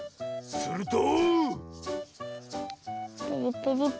すると。